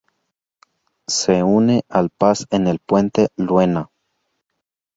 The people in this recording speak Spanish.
Se une al Pas en El Puente Luena.